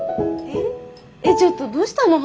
えっちょっとどうしたの？